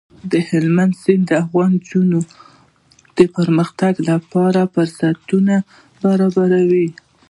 هلمند سیند د افغان نجونو د پرمختګ لپاره فرصتونه برابروي.